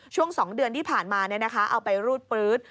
ช่วง๒เดือนที่ผ่านมาเอาไปรูดปลื๊ด